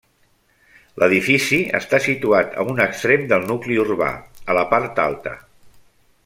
L'edifici està situat a un extrem del nucli urbà, a la part alta.